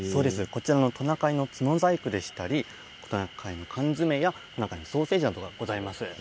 トナカイの角細工でしたり缶詰やトナカイのソーセージなどもございます。